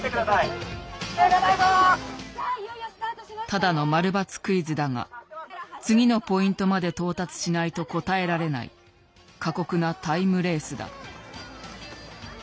ただの○×クイズだが次のポイントまで到達しないと答えられない過酷なタイムレースだ。